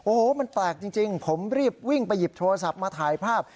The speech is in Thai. โอ้โหมันแปลกจริงผมรีบวิ่งไปหยิบโทรศัพท์มาถ่ายภาพ